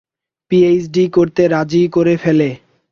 PhD করতে রাজী করে ফেলে।